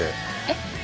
えっ？